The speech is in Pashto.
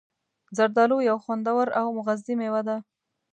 زردآلو یو خوندور او مغذي میوه ده.